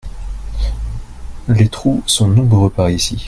Les trous sont nombreux par ici.